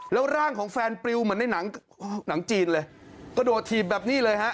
แล้วร่างของแฟนปลิวเหมือนในหนังจีนเลยกระโดดถีบแบบนี้เลยฮะ